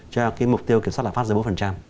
cho cái mục tiêu kiểm soát lạm pháp dưới bốn